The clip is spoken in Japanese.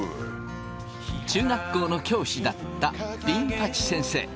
中学校の教師だったビン八先生。